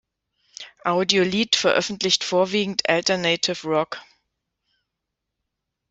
Audiolith veröffentlicht vorwiegend Alternative Rock.